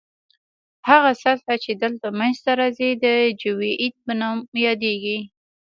هغه سطح چې دلته منځ ته راځي د جیوئید په نوم یادیږي